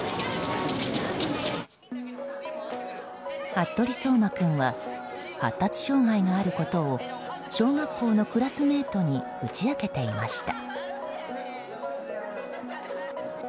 服部颯馬君は発達障害があることを小学校のクラスメートに打ち明けていました。